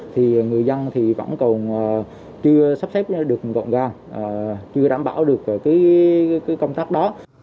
thì người dân thì vẫn còn chưa sắp xếp được gọn gàng chưa đảm bảo được cái công tác đó